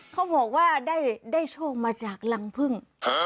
เขาบอกว่าได้โชคมาจากรังพึ่ง